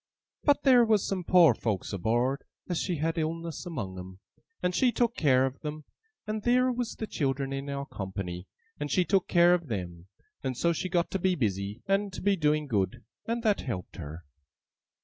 But theer was some poor folks aboard as had illness among 'em, and she took care of them; and theer was the children in our company, and she took care of them; and so she got to be busy, and to be doing good, and that helped her.